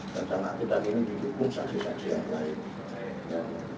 dan sangat tidak ini dihukum saksi saksi yang lain